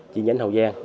chi nhánh hậu giang